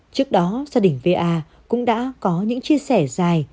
trước đó gia đình va cũng đã có những chia sẻ dài